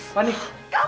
fani ada apa sih